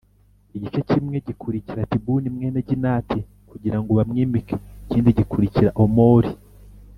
igice kimwe gikurikira Tibuni mwene Ginati kugira ngo bamwimike, ikindi gikurikira Omuri